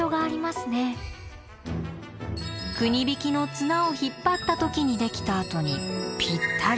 国引きの綱を引っ張った時にできた跡にぴったり。